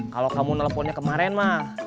kalau kamu nelfonnya kemarin mah